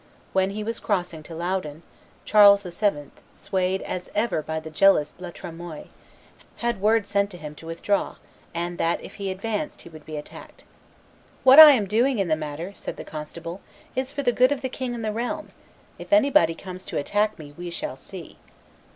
When he was crossing to Loudun, Charles VII., swayed as ever by the jealous La Tremoille, had word sent to him to withdraw, and that if he advanced he would be attacked. "What I am doing in the matter," said the constable, "is for the good of the king and the realm; if anybody comes to attack me, we shall see."